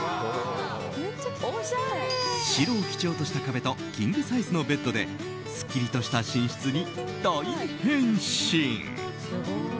白を基調とした壁とキングサイズのベッドですっきりとした寝室に大変身。